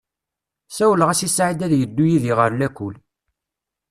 Sawleɣ-as i Saɛid ad yeddu yid-i ɣer lakul.